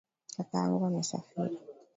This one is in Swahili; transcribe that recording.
Kaka yangu amesafiri.